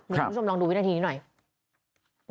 คุณผู้ชมลองดูวินาทีนี้หน่อย